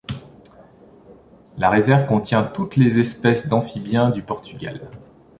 La réserve contient toutes les espèces d'amphibiens du Portugal.